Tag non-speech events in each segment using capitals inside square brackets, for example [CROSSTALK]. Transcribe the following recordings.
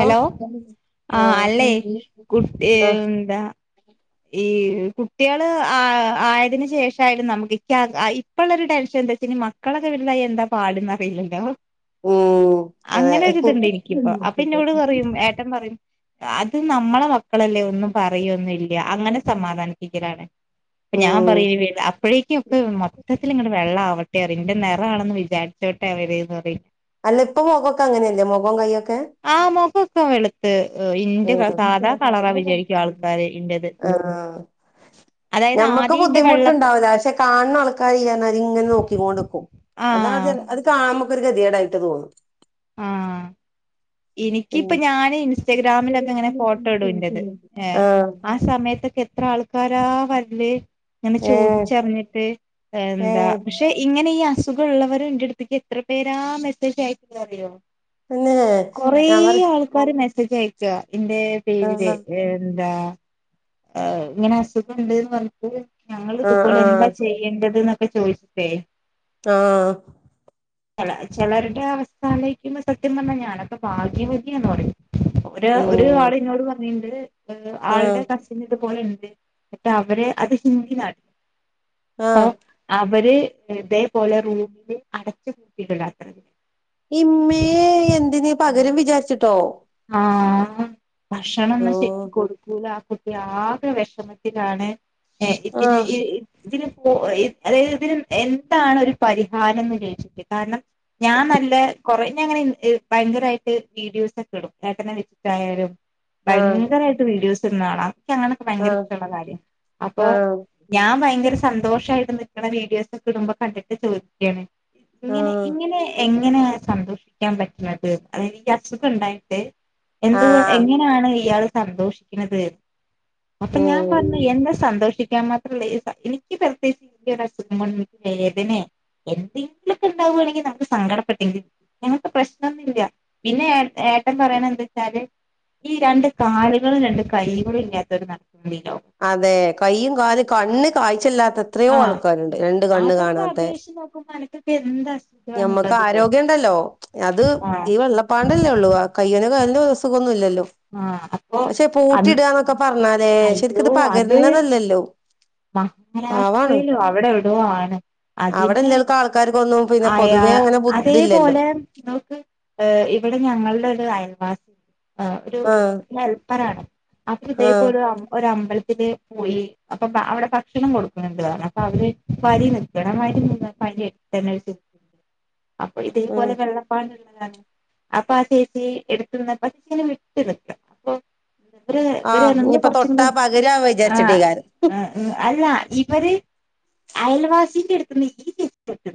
Law ആഹ ആഹ് അല്ലേ കുട്ടി ആഹ് എന്താ? ഈ കുട്ടികള് ആ ആയതിന് ശേഷായാലും നമുക്ക് ഇപ്പൊള്ളോ രു ടെൻഷൻ എന്താ വെച്ചാ ഇനി മക്കളൊക്കെ വെൽതായി എന്താ പാട്ന്നറിയില്ലല്ലോ ഉം അതെ അങ്ങനെ ഒരിതുണ്ടെനിക്കിപ്പോ അപ്പൊ എന്നോട് പറയും ഏട്ടൻ പറയും അത് നമ്മളെ മക്കളല്ലേ ഒന്നും പറയൊന്നുംല്ല അങ്ങനെ സമാധാനിപ്പിക്കലാണ് അപ്പെഞാൻ ഉം പറയെ അപ്പഴേക്കും ഒക്കെ മൊത്തത്തിൽ ഇങ്ങട് വെള്ളാവട്ടെ നിന്റെ നെറാന്ന് വിചാരിച്ചോട്ടെ അവര്ന്ന്പറയും അല്ല ഇപ്പൊ മുഖൊക്കെ അങ്ങനെയല്ലേ മുഖം കൈയൊക്കെ ആ മുഖൊക്കെ വെളുത്ത് ഇന്റെക്ക സാധാ കളറ വിചാരിക്കും ആൾക്കാര് ന്റെട് ആഹ ഞമ്മക്ക് ആദീന്റെ വെള്ളപ്പം ബുദ്ധിമുട്ടുണ്ടാവില ക്ഷെ കാണുന്ന ആൾക്കാര് എന്നാൽ ങ്ങനെ നോക്കിക്കോണ്ട്ക്കും ആഹ് അതാണ് അത് കാണ്മക്കൊരു ഗദ്യേടായിട്ട് തോന്നും ആഹ് ഇനിക്കിപ്പ പിന്നെ ഞാൻ ഇൻസ്റ്റഗ്രാമിലൊക്കെ ഇങ്ങനെ ഫോട്ടോ ഇടുന്റെത് ആഹ് ആ സമയത്തൊക്കെ എത്ര ആൾക്കാരാ വര്ല് അങ്ങനെ ഏഹ് ചോദിച്ചറിഞ്ഞിട്ട് എന്താ ഏഹ് ക്ഷെ ഇങ്ങനെ ഈ അസ് സുഖമുള്ളവരുന്റെടുത്തേക്ക് എത്ര പേരാ മെസ്സേജ് അയക്കുന്നെറിയോ തന്നെ കൊറേ ഞാൻ പറ ആൾക്കാര് മെസ്സേജയക്ക എന്റെ പേരില് ആഹ് എന്താ ആ ഇങ്ങനെ അസുഖംണ്ട്ന്ന് പറഞ്ഞ്ട്ട് ഞങ്ങൾ ആഹ് ഇതുപോലെ എന്താ ആഹ് ചെയ്യേണ്ടത് എന്നൊ ക്കെ ചോയ്ച്ച്ട്ടെ ആഹ ആഹ ട ചെലരുടെ അവസ്ഥാലേക്കുമ്പോ സത്യം പറഞ്ഞാൽ ഞാനപ്പ ഭാഗ്യവതിയാന്ന് പറയു ഒര് ഒരു ഉം ആൾന്നോട് പറഞ്ഞീണ്ട് ആഹ് ആളുടെ കസിന് ത് ണ്ട് അവര് അത് ഹിന്ദിലാ ക്കാ ആഹ് ആ അവര് ഇതേപോലെ റൂമില് അടച്ചുപൂട്ടിയിടാലാത്തത് ഇമ്മേ എന്തിന് പകരം വിചാരിച്ചിട്ടോ ആ ഓ ഭക്ഷണൊന്നും ശരിക്ക് കൊടുക്കൂല ആ കുട്ടി ആകെ വിഷമത്തിലാണ് ഹേ ഇതിനു ആഹ് ഇ ഇതിന് ഓ അതായത് ഇതിന് എന്താണ് ഒരു പരിഹാരം എന്ന് നിരീചിട്ട് കാരണം ഞാൻ നല്ല കുറെ ഞാനങ്ങനെ എ ഭയങ്കരമായിട്ട് വീഡിയോസ് ഇടും ഏട്ടനെ വെച്ചിട്ടായാലും ആഹ് ഭയങ്കരമായിട്ട് വീഡിയോസ് ഒന്ന് കാണാം ഞങ്ങൊളോക്കെ ഭയങ്കര ആഹ് ഇഷ്ടമുള്ള കാര്യം അപ്പൊ ആഹ് ഞാൻ ഭയങ്കര സന്തോഷായിട്ട് നിക്കണ വീഡിയോസൊക്കെ ഇടുമ്പോ കണ്ടിട്ട് ചോദിക്കാണ് ഇങ്ങനെ ആഹ് ഇങ്ങനെ എങ്ങ എങ്ങനാ സന്തോഷിക്കാൻ പറ്റണത് അതനിക്ക് അസുഖം ഉണ്ടായിട്ട് എന്തുകൊണ്ട് ആഹ് എങ്ങനെയാണ് ഇയാള് സന്തോഷിക്കണത് അപ്പ ഞാൻ ഉം പറഞ്ഞ് എന്റെ സന്തോ രക്ഷിക്കാൻ മാത്രല്ലേ എനിക്ക് വേദനയ എന്തെങ്കിലൊക്കെ ഉണ്ടാവാണെങ്കിൽ നമക്ക് സങ്കടപ്പെട്ടെരി ഞങ്ങക്ക് പ്രശ്നമൊന്നുംല്ല പിന്നെ എ ഞാൻ പറയണ എന്താന്നുവെച്ചാല് ഈ രണ്ട് കാലുകളും രണ്ട് കൈകളും ഇല്ലാത്തോര് നടക്കുന്നി അതെ കൈയും കാല് കണ്ണ് കാഴ്ചില്ലാ എത്രയോ ആഹ് ആൾക്കാരുണ്ട് രണ്ട് കണ്ണ് കാണാത്ത എന്താ ഞമ്മക്ക് ആരോഗ്യം ഉണ്ടല്ലോ അത് ആഹ് ഈ വെള്ളപ്പാണ്ടല്ലേ ഉള്ളൂ കയ്യിനും കാലിനും അസുഖന്നും ഇല്ലല്ലോ ആഹ് അപ്പൊ പക്ഷെ പൂട്ടി ഇടുകന്നൊക്കെ പറഞ്ഞാല് ശരിക്കിത് പകരുന്നതല്ലല്ലോ പാവാണ് മഹാരാഷ്ട്രയിലൊ അവിടെവിടോവാണ് അതിന് അവിടെല്ലോൽക്ക് ആൾക്കാർക്കൊന്നും പിന്നെ അയാ പൊതുവേ അങ്ങനെ അതേ ബുദ്ധില്ലല്ലോ പോലെ മ്മളക്ക് ഇവടെ ഞങ്ങടെ ഒരു അയൽവാസി എണ്ട് ആ ഒരു ആഹ് ഹെൽപ്പറാണ് അപ്പ ആഹ് ഇതേപോലെ ഒരമ്പ ഒരമ്പല ത്തി പോയി അപ്പൊ അവിടെ ഭക്ഷണം കൊടുക്കുന്നുണ്ട് അപ്പൊ അവര് വരി നിൽക്കണം വരി നിന്ന് പനി തലേ ദിവസ അപ്പൊ ഉം ഇതേപോലെ വെള്ളപ്പാ അപ്പാ ആ ചേച്ചി എടുത്ത പച്ചേനെ ഇട്ട് നിക്ക അപ്പൊ ഇവ ഇവര് വര് ആഹ് നിങ്ങള് ഇനിയിപ്പ കുറച്ച തൊട്ടാ പകരാ ആ വിചാരിച്ചിട്ടേകാരം അല്ല ഇവര് അയൽവാസിന്റെ എടുത്തു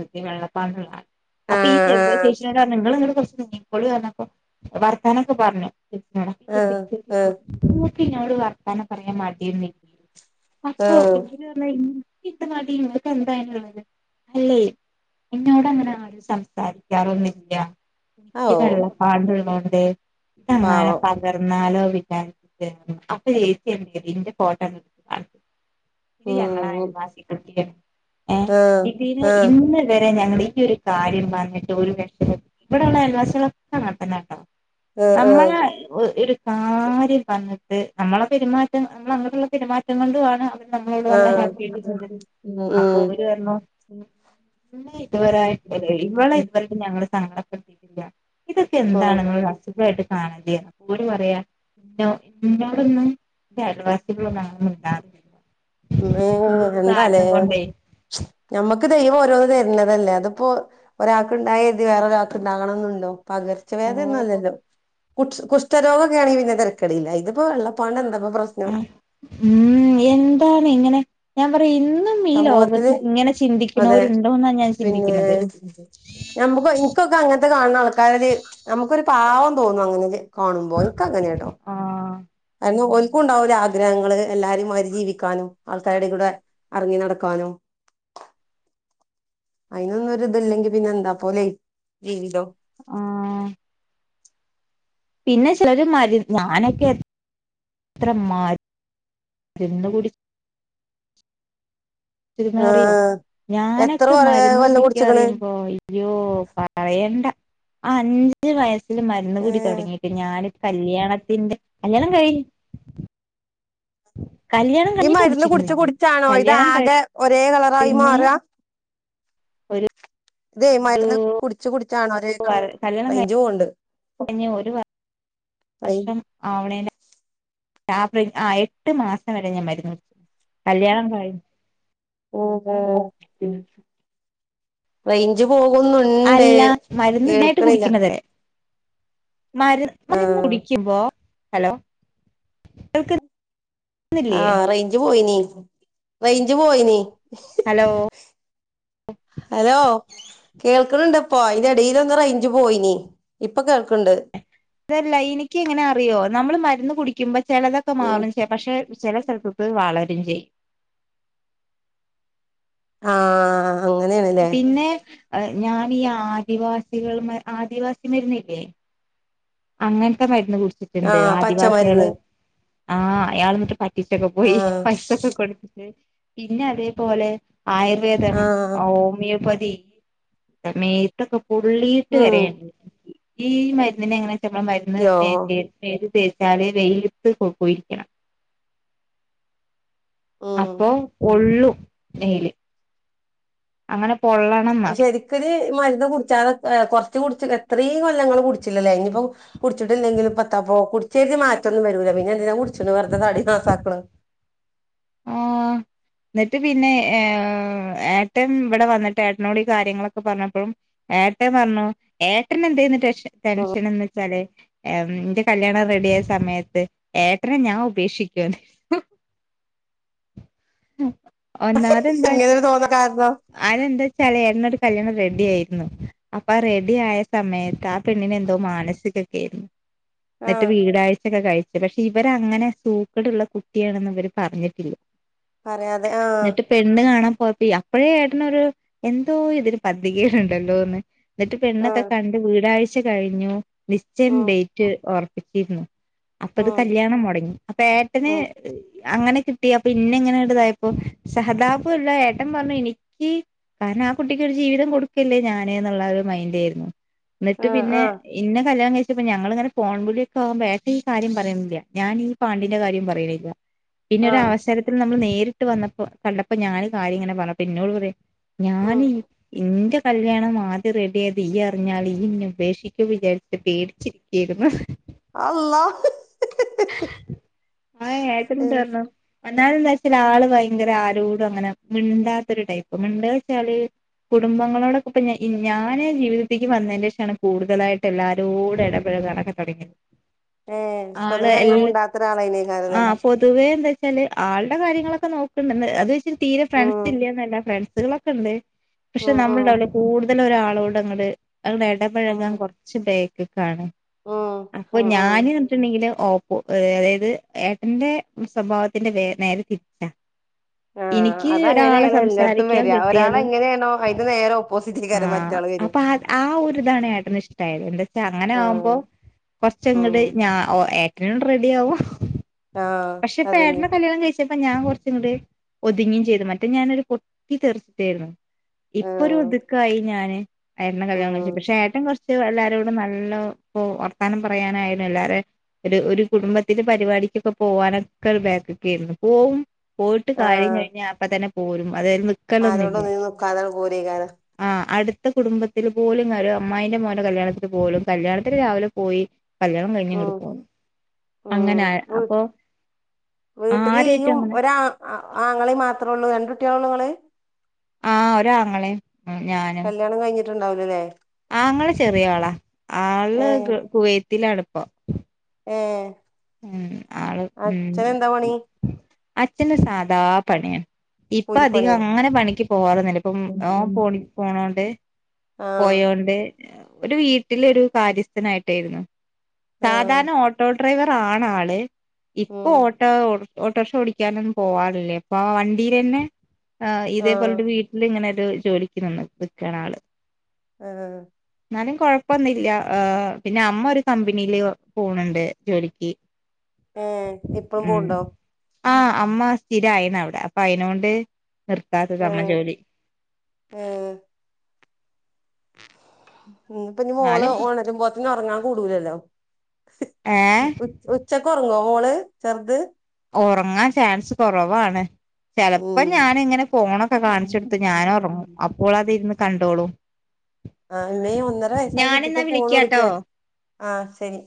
പോയ്‌ വെള്ളപ്പാണ്ട് ള്ളതാണ് അപ്പൊ ഈ റെയിൽവേ ആഹ് സ്റ്റേഷനിലാരുന്നു നിങ്ങൾ കുറച്ച് നപ്പ പ്പോള് വർത്താനൊക്കെ പറഞ്ഞു ആ ആ നിക്ക് ഇന്നോട് വർത്താനം പറയാൻ മടിയൊന്നുല്ല അപ്പൊ ആഹ് ഇവരുരു ഇത്ര നടീങ്ങക്ക് എന്താനുള്ളത് അല്ലേ എന്നോടങ്ങനെ ആരും സംസാരിക്കാറൊന്നില്ല ഔ എനിക്ക് വെള്ളപ്പാണ്ടള്ളോണ്ട് ഇതങ്ങാനും പാവം പകർന്നാലോ വിചാരിച്ചു അപ്പൊ ചേച്ചി എന്തെയ്തു ഇന്റെ ഫോട്ടോ ങേടുത്തു കാണിച്ചു ന്തിനാ മോളെ അയൽവാസിയെ കെട്ടിയെ ആ ഇതിന്ന് ഇന്ന് വെ അതേ ഞങ്ങൾക്കൊരു കാര്യം വന്നിട്ട് ഒരു രക്ഷ ഇവിടെള്ള അയൽവാസികളോക്കെ അങ്ങനതന്നെയാട്ടോ ആഹ് നമ്മള ആഹ് ഒരു കാര്യം വന്നിട്ട് നമ്മള പെരുമാറ്റം നമ്മടെ അങ്ങട് ഇങ്ങടുള്ള പെരുമാറ്റം കൊണ്ടണ് നമ്മള് നല്ല ആഹ് ഹാപ്പി ആയിട്ടിരിക്കണ് ഉം അപ്പൊ ഉം ഓരു പറഞ്ഞു പിന്നെ ഇതുവരൊയിട്ട് ഇവളെ ഇവളെ ഞങ്ങള് സങ്കടപ്പെടുത്തിട്ടില്ല ഇതൊക്കെ എന്താണ് നിങ്ങൾ അസുഖയിട്ട് കാണല്ലേ അപ്പൊ അവര് പറയാ ഇങ്ങോടൊന്നും ജനവാസന്നും ഉണ്ടാവില്ല ദൈവമേ അപ്പ എന്താലേ നമ്മക്ക് ദൈവം ഓരോന്ന് തരണതല്ലേ അതിപ്പോ ഒരാൾക്ക് ഉണ്ടായത് വേറൊരാക്ക് ഉണ്ടാകണന്നുണ്ടോ ഓ പകർച്ചവ്യാധിയൊന്നും അല്ലല്ലോ കുഷ് കുഷ്ടരോഗമൊക്കെ ആണെങ്കി പിന്ന തരക്കേടില്ല ഇതിപ്പോ വെള്ളപ്പാണ്ട് എന്താപ്പ പ്രശ്നം ആഹ് ഉം എന്താണ് ഇങ്ങനെ ഞാൻ പറ ഇന്നും ഈ ലോകത്ത് സമൂഹത്തില് ഇങ്ങനെ അതെ ചിന്തിക്കന്നവരുണ്ടോ എന്നാ ഞാൻ ചിന്തിക്കണത് നമ്മുക്ക് ഇനിക്കൊക്കെ അങ്ങനത്തെ കാണ ആൾക്കാരത് നമുക്കൊരു പാവം തോന്നും അങ്ങനത് കാണുമ്പോ എന്ക്കങ്ങനേട്ടോ അതിന് ഓൽ ഉണ്ടാവുല്ലേ ആഗ്രഹങ്ങള് എല്ലാരേംമാരി ജീവിക്കാനും ആൾക്കാരുടെ കൂടെ എറങ്ങി നടക്കാനും അയിനൊന്നും ഒരു ഇതല്ലെങ്കി പിന്നെ എന്താ പോലെ ജീവിതോ ആഹ് പിന്നെ ചിലര് മര് ഞാനൊക്കെത്ര മാര് തിന്ന് കുടി അറിയോ ആഹ് എത്ര ഞാനൊക്കെ കൊറേ മരുന്ന് കൊല്ലം കുടിക്കാ കുടിച്ചിക്കണ് പറിയുമ്പോ അയ്യോ പറയണ്ട ആ അഞ്ച് വയസ്സില് മരുന്ന് കുടി ഏഹ് തുടങ്ങിട്ട് ഞാന് കല്യാണത്തിന്റെ കല്യാണം കഴിഞ് [UNINTELLIGIBLE] ഈ മരുന്ന് കുടിച്ച് ഞാൻ മരുന്ന് കുടിച്ചാണോ ഇത് കല്യാണം ആകെ ഒരേ കളറായി കഴിഞ്ഞ് മാറ്ക ഒരു ഇതേ മന്ന് കുടിച്ചു കുടിച്ചാണോ ഒരേ കളറ് വർ കല്യാണം റേഞ്ച് പോവണ്ട് കഴിഞ്ഞ് ഒരു റേഞ്ച് വർഷം ആവണേന്റെ ടാപ്ലിൻ ആ എട്ട് മാസം വരെ ഞാൻ മരുന്ന് കുടിച്ച് കല്യാണം കഴി ഉം റൈഞ്ചു പോകുന്നുണ്ട് അല്ല മരുന്ന് ഇതായിട്ട് കേൾക്കണില്ല കുടിക്കണത് മരു മരുന്ന് ആഹ് കുടിക്കുമ്പോ ഹലോ കേൾക്ക്‌ ആഹ് റേഞ്ച് പോയിനി റേഞ്ച് പോയിനി ഹലോ ഹലോ കേൾക്കണണ്ട് ഇപ്പ അയിന്റെ ഇടെൽ ഒന്ന് റേഞ്ച് പോയിനി ഇപ്പ കേൾക്കണ്ട് അതല്ല എനിക്ക് എങ്ങനെ അറിയോ നമ്മള് മരുന്ന് കുടിക്കുമ്പ ചിലതൊക്കെ ഉം മാറും പക്ഷെ ചില സ്ഥലത്തക്ക് വളര പിഞ്ചയ് ആഹ് അങ്ങനെണല്ലേ പിന്നെ ഞാൻ ഈ ആദിവാസികള് മര് ആദിവാസി മരുന്നില്ലേ അങ്ങനത്തെ മരുന്ന് കുടിച്ചിട്ടുണ്ട് ആഹ് ആദിവാസികള് പച്ചമരുന്ന് ആഹ് അയാൾ എന്നിട്ട് പറ്റിച്ചൊക്കെ പോയി ആഹ് പൈസൊക്കെ കൊടുത്തിട്ട് പിന്നെ അതേപോലെ ആയുർവേദം ആഹ് ഹോമിയോപതി മേത്തൊക്കെ പൊള്ളിട്ട് ഉം വരെണ്ട് ഈ മരുന്നിനെങ്ങനെയാ വച്ചാ നമ്മൾ മരുന്ന് യോ [UNINTELLIGIBLE] തെ വച്ചാലെ വെയിത്ത് പോ പോയിരിക്കണം ഉം അപ്പൊ പൊള്ളു മേല് അങ്ങനെ പൊള്ളണം ന്നറി ഈ മരുന്ന് കുടിച്ചാലെ ഏഹ് കുറച്ച് കുടിച്ച് എത്രയും കൊല്ലങ്ങള് കുടിച്ചില്ലല്ലേ ഇനിയിപ്പോ കുടിച്ചിട്ടില്ലെങ്കിലും പത്ത അപ്പൊ കുടിച്ചഴതി മാറ്റൊന്നും വരൂല പിന്നെ എന്തിന കുടിച്ചണ് വെറുതെ താടി നാസാക്കണ് ആഹ് എന്നിട്ട് പിന്നെ ഏഹ് ഏട്ടൻ ഇവിടെ വന്നിട്ട് ഏട്ടനോട് ഈ കാര്യങ്ങളൊക്കെ പറഞ്ഞപ്പോഴും ഏട്ടെ പറഞ്ഞു ഏട്ടന് എന്തെര്ന്ന് ടെഷേ ഉം ടെൻഷൻ എന്ന് വെച്ചാല് ന്റെ കല്ല്യാണം റെഡി ആയ സമയത്ത് ഏട്ടനെ ഞാൻ ഉപേക്ഷിക്കുവോന്ന് [UNINTELLIGIBLE] ഒന്നാമതെന്താ എങ്ങനെരു തോന്ന കാരണം അതെന്താ വച്ചാല് എട്ടന് ഒരു കല്യാണം റെഡി ആയിരുന്നു അപ്പൊ ആ റെഡി ആയ സമയത്ത് ആ പെണ്ണിന് എന് എന്തോ മാനസികൊക്കെ ആയിരുന്നു എന്നിട്ട് ആഹ് വീടാഴ്ചൊക്കെ കഴിച്ചു പക്ഷെ ഇവരങ്ങനെ സൂക്കടുള്ള കുട്ടിയാണെന്ന് ഇവര് പറഞ്ഞിട്ടില്ല പറയാതെ ആഹ് പ്പ അപ്പഴേ എട്ടുന്നൊരു എന്തോ ഇതിന് പതികയിലുണ്ടല്ലോ എന്ന് എന്നിട്ട് പെണ്ണൊക്കെ ആഹ് കണ്ട് വീടാഴ്ച കഴിഞ്ഞു നിശ്ചയം ഉം ഡേറ്റ് ഓർപ്പിച്ചിരുന്നു അപ്പൊ ഇത് ഉം കല്യാണം മുടങ്ങി അപ്പൊ ഏട്ടന് ഉം അങ്ങനെ കിട്ടിയ അപ്പൊ പിന്നെ എങ്ങനെയ ഉണ്ടതായപ്പോ സഹതാപ്ല്ല ഏട്ട പറഞ്ഞു എനിക്ക് കാരണം ആ കുട്ടിക്ക്ഒരു ജീവിതം കൊടുക്കല്ലേ ഞാന്ൻ എന്നുള്ള ഒരു മൈൻഡ് ആയിരുന്നു എന്നിട്ട് ആഹ് പിന്നെ ആഹ് ഇന്ന കല കഴ പ്പ ഞങ്ങളിങ്ങനെ ഫോൺവുള്ളിക്കെ ആകുമ്പോ ട്ടം ഈ കാര്യം പറയുന്നില്ല ഞാൻ ഈ പാണ്ടിന്റെ കാര്യം പറയുന്നില്ല പിന്നെ ഒരു ആഹ് അവസരത്തിൽ നമ്മൾ നേരിട്ട് വന്നപ്പോ കണ്ടപ്പോ ഞാന് കാര്യം ഇങ്ങനെ പറഞ്ഞുപ്പ പിന്നോട് പറ ഞാൻ ഉം എന്റെ കല്യാണം ആദ്യം റെഡി ആയത് ഈ അറിഞ്ഞാൽ ഈ ഇന്ന ഉപേക്ഷിക്ക വിചാരിച്ചിട്ട് പേടിച്ചിരിക്കരുന്നു അല്ലാഹ് ആഹ ട്ടന്ന തരണം എന്നന്നാല എന്താ വെച്ചാൽ ആള് ഭയങ്കര ആരോടും അങ്ങനെ മിണ്ടാത്തൊരു ടൈപ്പ് മിണ്ട വെച്ചാല് കുടുംബങ്ങളോടൊക്കെ ഇപ്പ ഞാന് ജീവിതത്തേക്ക് വന്നതിന്റെ ശേഷമാണ് കൂടുതലായിട്ട് എല്ലാരരോടും ഇടപെടുന്നത് നട തുടങ്ങ ഏഹ് ആള് പൊതുവെ അങ്ങനെ എാം മുണ്ടാത്ത ആ ഒരാളായിനേക്കാരല്ലേ പൊതുവേ എന്താ ാല് ആളുടെ കാര്യങ്ങളൊക്കെ നോക്കുന്നുണ്ടന്ന് അത് വെച്ചി തീരെ ഫ്രണ്ട്സ് ഉം ഇല്ലന്നല്ല ഫ്രണ്ട്സുകളൊക്കെ ഉണ്ട് പക്ഷെ ഉം ഉം നമ്മൾുണ്ടാവല കൂടുതല ഒരാളോട് അങ്ങട് അടെ ഇടപഴകാൻ ഉം കുറച്ചപയക്ക ഉം അപ്പൊ ഉം ഞൻ ഉം വിട്ടുണ്ടെങ്കില് അതായത് ഏട്ടന്റെ സ്വഭാവത്തിന്റെ വേ നേരെ തിരിച്ചാ ആഹ് എനിക്ക് അ അവിടെ ഒരാളെ അങ്ങനെയണോ എല്ലായിടത്തും സംസാരിക്കാൻ വരി ഒരാൾ കിട്ടിയാല് എങ്ങനെയാണോ അതിന്റെ നേരെ ഓപ്പോസിറ്റിൽ കാരം മറ്റരാള് വര രിതണയായിട്ട ഇഷ്ടത് എന്താച്ചാ അങ്ങനെ ആകുമ്പോ ആഹ് കൊറച്ച ഉം ഏറ്റ റെഡി ആാവോ ആഹ് പക്ഷെപ്പ ഏട്ട അതന്നെ കല്ണം കഴിച്ച അപ്പൊ ഞാൻ കുറച്ചും ഇങ്ങൂടെ ഒതുങ്ങയും ചെയ്തു മറ്റേ ഞാനൊരു പൊട്ടി തീർച്ചിട്ടായിരുന്നു ഇപ്പൊ ഒരു ആഹ് ഒതുക്കായി ഞാന് ആയിരുന്ന കല്യാണം കളു ഉം പക്ഷെേ ഏറ്റവും കുറച്ച് എല്ലാരരോ കടും നല്ല ഇപ്പൊ വർത്താനം പറയാനായിരുന്നു എല്ലാരെ ഒരു ഒരു കുടുംബത്തിലെ പരിപാടിക്കൊക്കെ പോവാനൊക്കെ ഒരു ബാക്ക് ഒക്കെ ആയിരുന്നു പോവും പോയിട്ട് കാര്യം ആഹ് കഴിഞ്ഞാൽ അപ്പ തന്നെ പോരും അതൽ ആരോടും നക്കലൊന്നുമില്ല ഒന്നിനും നിക്കാതെ പോരേക്കാരം ആ അടു ഇത്തെ കുടുംബത്തിൽ പോലും ഒരു അമ്മായിന്റെ മോന കല്യാണത്തിൽ പോലും കല്യാണത്തിൽ രാവിലെ പോയി കല്യാണം കഴിഞ്ഞ കൊടി ഉം പോുന്നു അങ്ങനെ അപ്പൊ ആരായിട്ടും വീട്ടില്യ്യും അങ്ങനെ ഒര ആങ്ങളേ മാത്രേള്ളൂ എന്റെ കുട്ടിയള ഉള്ളു നിങ്ങളെ ആഹ ഒരാങ്ങളെ കല്യാണം കഴിഞ്ഞിട്ടുണ്ടാവലല്ലേ ആങ്ങെ ചെറിയ ആളാ ഏ ആള് കുവൈത്തിലാ അടുപ്പ ഏഹ് ഉ ആള് പണി ഉ അച്ഛന്റെ സാധാ പണിയാണ് ഇപ്പ അധികം കൂലിപ്പണിയോ അങ്ങനെ പണിക്ക് പോകറ ഇപ്പം പോണി പോണോണ്ട് ആഹ് പോയോണ്ട് ഒരു വീട്ടില ഒരു കാര്യസ്ഥനായിട്ടായിരുന്നു ആഹ് സാധാരണ ഓട്ടോ ഡ്രൈവർ ആണ് ആള് ഇപ്പൊ ഉം ഓട്ടോ ഓട്ടോറിക്ഷ ഓടിക്കാനൊന്നും പോവാറില്ലേ അപ്പൊ വണ്ടിൽന്നെ ആ് ആഹ് ഇതേപോലത്തെ വീട്ടിൽ ഇങ്ങനെ ഒരു ജോലിക്ക് നിന്ന് വക്കാണ് ആള് ഹാ എന്നാലും കൊഴപ്പൊന്നുമില്ല. പിന്നെ അമ്മ ഒരു കമ്പനിയില് പോണുണ്ട് ജോലിക്ക്. ഏ ഇപ്പഴും ഉം പോണ്ടോ. ആഹ് അമ്മ സ്ഥിരായിന അവിടെ അപ്പൊ അയിനോണ്ട് നിർത്താത്ത നമ്മ ഏഹ് ജോലി ഇനി ഇപ്പ ഇനി മോള് എന്നാലും ഒണരുമ്പോൾ ഒറങ്ങാൻ കൂടൂലല്ലോ. ഏഹ് ഉ ഉച്ചക്ക് ഒറങ്ങോ മോള് ചെറ്ത്. ഒറങ്ങാൻ ചാൻസ് കൊറവാണ്. ചെലപ്പം ഉം ഞാനിങ്ങനെ ഫോണൊക്കെ കാണിച്ചൊടുത്തു ഞാനൊറങ്ങും അപ്പോളത് ഇരുന്ന് കണ്ടോളും. അമ്മേ ഒന്നര വയസ്സായ കുട്ടിക്ക് ഞാനെന്നാ ഫോണ് കൊടുക്കേ. വിളിക്കാട്ടോ ആ ശരി.